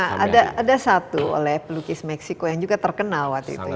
nah ada satu oleh pelukis meksiko yang juga terkenal